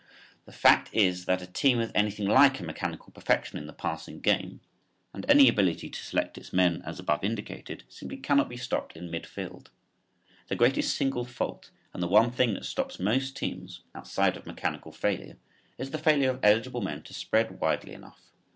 The fact is that a team with anything like a mechanical perfection in the passing game, and any ability to select its men as above indicated, simply cannot be stopped in mid field. The greatest single fault and the one thing that stops most teams, outside of mechanical failure, is the failure of eligible men to spread widely enough.